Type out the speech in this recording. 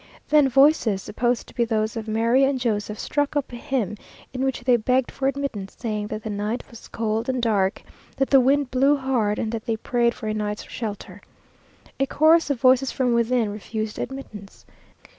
Then voices, supposed to be those of Mary and Joséph, struck up a hymn, in which they begged for admittance, saying that the night was cold and dark, that the wind blew hard, and that they prayed for a night's shelter. A chorus of voices from within refused admittance.